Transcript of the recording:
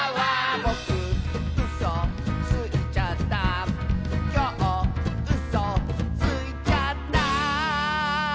「ぼくうそついちゃった」「きょううそついちゃった」